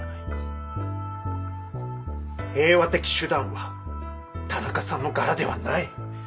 平和的手段は田中さんの柄ではない。